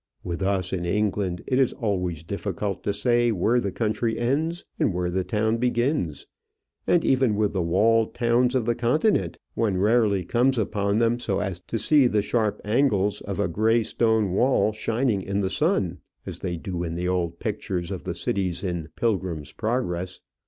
With us in England it is always difficult to say where the country ends and where the town begins; and even with the walled towns of the Continent, one rarely comes upon them so as to see the sharp angles of a gray stone wall shining in the sun, as they do in the old pictures of the cities in "Pilgrim's Progress."